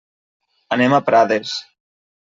Anem a Prades.